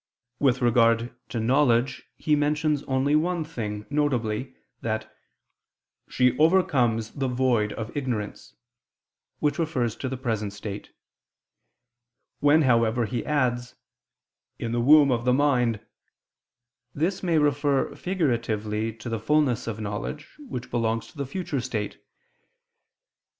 With regard to knowledge he mentions only one thing, viz. that "she overcomes the void of ignorance," which refers to the present state. When, however, he adds "in the womb of the mind," this may refer figuratively to the fulness of knowledge, which belongs to the future state.